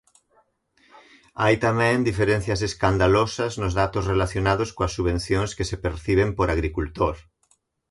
Hai tamén diferencias escandalosas nos datos relacionados coas subvencións que se perciben por agricultor.